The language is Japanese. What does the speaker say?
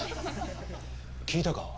聞いたか？